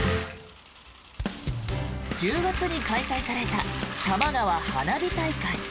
１０月に開催されたたまがわ花火大会。